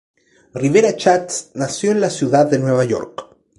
Rivera Schatz nació en la ciudad de Nueva York.